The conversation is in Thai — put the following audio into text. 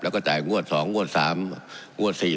แล้วก็จ่ายงวดสองงวดสามงวดสี่